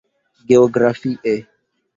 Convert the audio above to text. Geografie: